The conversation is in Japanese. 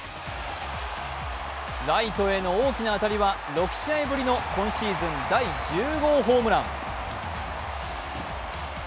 ライトへの大きな当たりは６試合ぶりの今シーズン第１０号ホームラン。